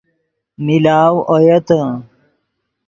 ملاؤ اویتے